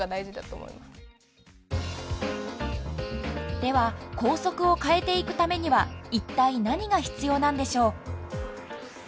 では校則を変えていくためには一体何が必要なんでしょう？